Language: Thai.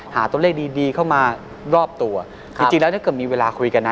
หาตัวเลขดีดีเข้ามารอบตัวจริงจริงแล้วถ้าเกิดมีเวลาคุยกันนะ